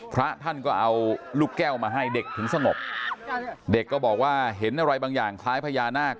พระท่านก็เอาลูกแก้วมาให้เด็กถึงสงบเด็กก็บอกว่าเห็นอะไรบางอย่างคล้ายพญานาค